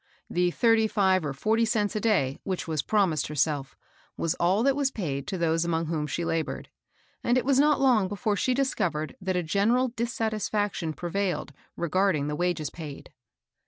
The thirty five or forty cents a day, which was promised herself, was all that was paid to those among whom she labored ; and it was not long before she discovered that a general dissatisfaction prevailed regarding the wages paid.